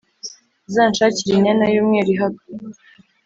uzanshakire inyana yumweru ihaka